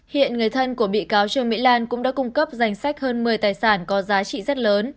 hiện người thân của bị cáo trương mỹ lan cũng đã cung cấp danh sách hơn một mươi tài sản có giá trị rất lớn